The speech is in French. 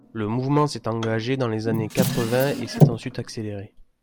Le mouvement s’est engagé dans les années quatre-vingts et s’est ensuite accéléré.